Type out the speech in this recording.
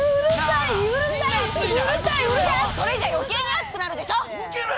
それじゃ余計に暑くなるでしょ！